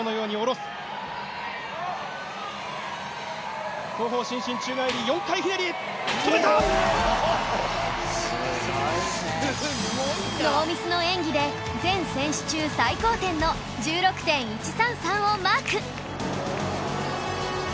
「すごいね」「すごいな」ノーミスの演技で全選手中最高点の １６．１３３ をマーク